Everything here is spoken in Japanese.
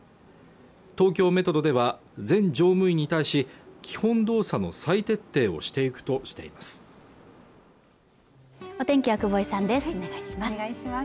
東京メトロでは全乗務員に対し基本動作の再徹底をしていくとしています